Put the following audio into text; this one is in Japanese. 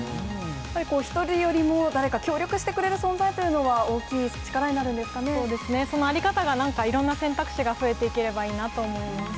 やっぱり１人よりも誰か協力してくれる存在というのは大きいそうですね、その在り方がなんか、いろんな選択肢が増えていければいいなと思います。